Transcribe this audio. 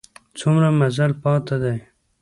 څومره مزل پاته دی؟